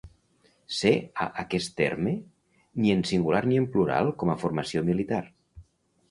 C a aquest terme, ni en singular ni en plural com a formació militar.